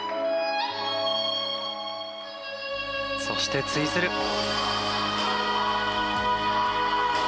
そしてツイズル。